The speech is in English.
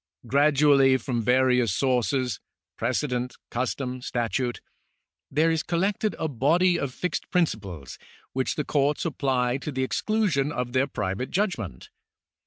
Gradually from various sources — ^precedent, custom, sta.tute — there is collected a body of fixed principles which the courts apply to the ex clusion of their private judgment.